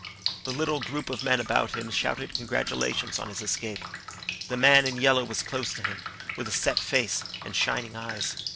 The little group of men about him shouted congratulations on his escape. The man in yellow was close to him, with a set face and shining eyes.